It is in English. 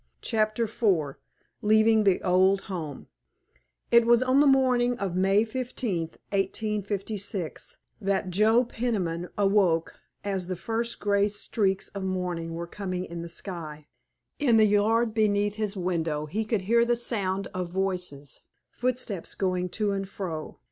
*CHAPTER IV* *LEAVING THE OLD HOME* It was on the morning of May 15, 1856, that Joe Peniman awoke as the first grey streaks of morning were coming in the sky. In the yard beneath his window he could hear the sound of voices, footsteps going to and fro.